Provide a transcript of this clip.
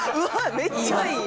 めっちゃいい。